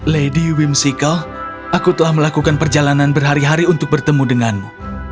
lady whimsical aku telah melakukan perjalanan berhari hari untuk bertemu denganmu